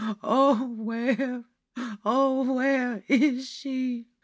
Oh, where, oh, where is she